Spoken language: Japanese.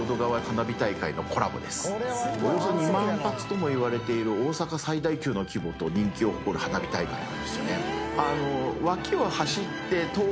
およそ２万発ともいわれている大阪最大級の規模と人気を誇る花火大会なんですよね。